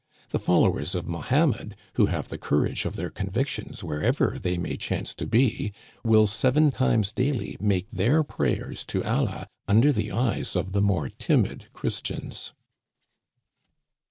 The followers of Mohammed, who have the courage of their convictions wherever they may chance to be, will seven times daily make their prayers to Allah under the eyes of the more timid Christians.